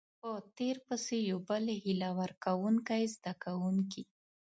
په تير پسې يو بل هيله ورکوونکۍ زده کوونکي